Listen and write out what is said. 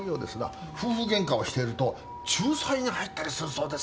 夫婦ゲンカをしていると仲裁に入ったりするそうですから。